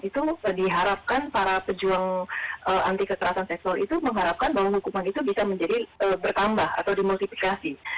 itu diharapkan para pejuang anti kekerasan seksual itu mengharapkan bahwa hukuman itu bisa menjadi bertambah atau dimultifikasi